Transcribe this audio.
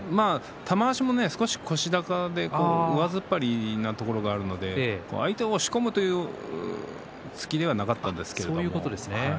玉鷲も少し腰高で上突っ張りなところがあるので相手を押し込むという突きではなかったんですけどもね。